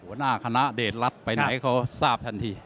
หัวหน้าคณะเดชรัฐไปไหนให้เขาทราบทันที